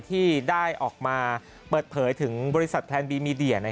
ที่ได้ออกมาเปิดเผยถึงบริษัทแทนบีมีเดีย